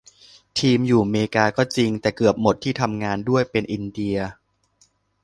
ทีมอยู่เมกาก็จริง แต่เกือบหมดที่ทำงานด้วยเป็นอินเดีย